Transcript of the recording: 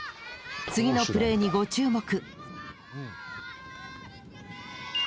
次のプレーにご注目！